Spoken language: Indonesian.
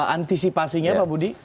antisipasinya pak budi